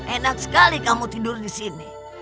enak sekali kamu tidur disini